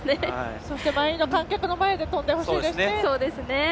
そして、満員の観客の前で跳んでほしいですね。